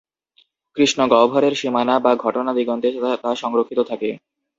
কৃষ্ণগহ্বরের সীমানা বা ঘটনা দিগন্তে তা সংরক্ষিত থাকে।